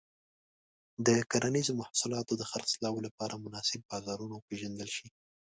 د کرنيزو محصولاتو د خرڅلاو لپاره مناسب بازارونه وپیژندل شي.